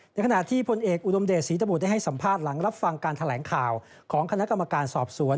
ขณะที่พลเอกอุดมเดชศรีตบุตรได้ให้สัมภาษณ์หลังรับฟังการแถลงข่าวของคณะกรรมการสอบสวน